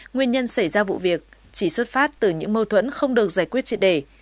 nguyên nhân xảy ra vụ việc chỉ xuất phát từ những mâu thuẫn không được giải quyết triệt đề